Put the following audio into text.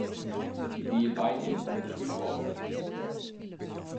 Dy wie by him as húshâldster.